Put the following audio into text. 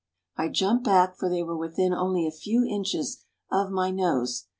I jumped back, for they were within only a few inches of my nose.